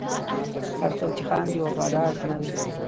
هر څوک چې خاندي، وفادار نه وي.